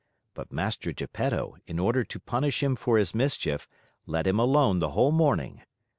But Mastro Geppetto, in order to punish him for his mischief, let him alone the whole morning.